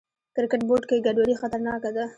کرکټ بورډ کې ګډوډي خطرناکه ده.